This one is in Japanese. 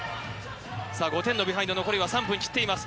さあ、５点のビハインド、残りは３分切っています。